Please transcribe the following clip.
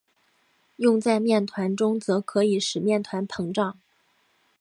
用在面团中则可以使面团膨胀。